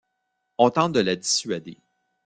On tente de la dissuader.